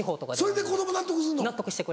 それで子供納得すんの？